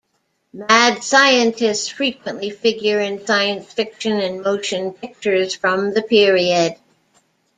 Mad scientists frequently figure in science fiction and motion pictures from the period.